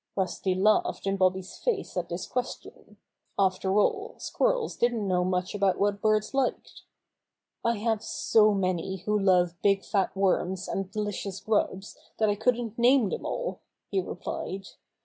Rusty laughed in Bobby's face at this ques tion. After all Squirrels didn't know much about what birds liked. "I have so many who love big fat worms and delicious grubs that I couldn't name them all," he replied.